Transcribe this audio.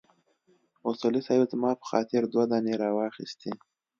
اصولي صیب زما په خاطر دوه دانې راواخيستې.